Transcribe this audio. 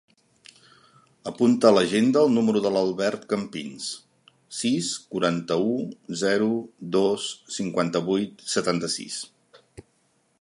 Apunta a l'agenda el número de l'Albert Campins: sis, quaranta-u, zero, dos, cinquanta-vuit, setanta-sis.